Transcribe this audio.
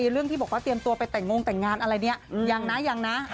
เรื่องที่บอกว่าเตรียมตัวไปแต่งงแต่งงานอะไรเนี่ยยังนะยังนะ